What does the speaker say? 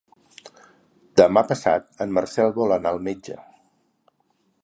Demà passat en Marcel vol anar al metge.